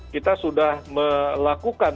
kita sudah melakukan